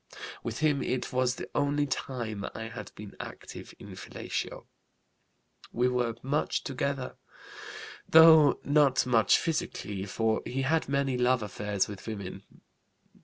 With him it was the only time I had been active in fellatio. We were much together, though not much physically, for he had many love affairs with women.